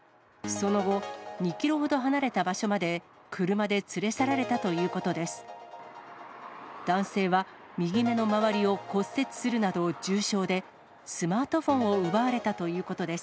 その後、２キロほど離れた場所まで、車で連れ去られたということです。